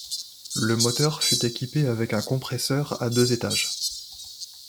Le moteur fut équipé avec un compresseur à deux étages.